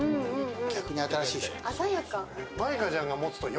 逆に新しいでしょ。